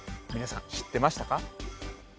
皆さん知ってましたか？